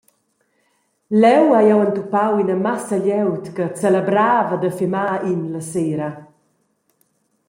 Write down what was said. Leu hai jeu entupau ina massa glieud che celebrava da fimar in la sera.